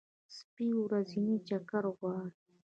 سپي ورځنی چکر غواړي.